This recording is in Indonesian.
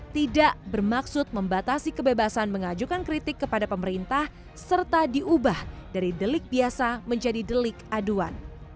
tidak bermaksud membatasi kebebasan mengajukan kritik kepada pemerintah serta diubah dari delik biasa menjadi delik aduan